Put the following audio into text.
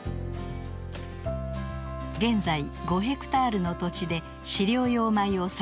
現在５ヘクタールの土地で飼料用米を栽培しています。